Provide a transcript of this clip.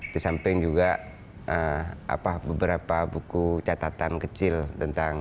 di samping juga beberapa buku catatan kecil tentang